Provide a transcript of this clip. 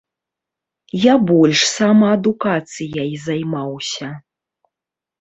Я больш самаадукацыяй займаўся.